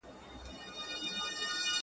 د زړه جيب كي يې ساتم انځورونه ،گلابونه